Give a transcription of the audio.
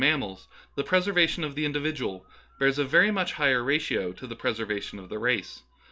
mammals the preservation of the individual bears a very much higher ratio to the preservation of the race.